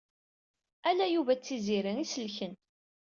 Ala Yuba d Tiziri ay iselken.